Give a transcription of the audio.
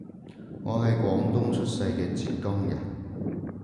我係廣東出世嘅浙江人